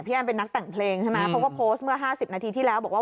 พี่แอ้มเป็นนักแต่งเพลงนะเพราะว่าโพสต์เมื่อ๕๐นาทีที่แล้วบอกว่า